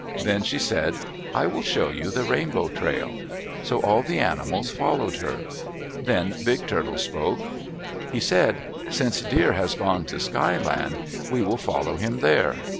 Then she said, "I will show you the Rainbow trail." So all the animals followed her. Then Big Turtle spoke. He said, "Since Deer has gone to Sky Land, we will all follow him there!"